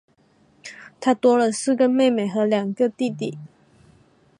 她多了四个妹妹和两个弟弟